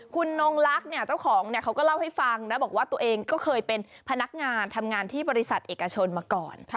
คุณนงลักษณ์เนี่ยเจ้าของเขาก็เล่าให้ฟังนะบอกว่าตัวเองก็เคยเป็นพนักงานทำงานที่บริษัทเอกชนมาก่อน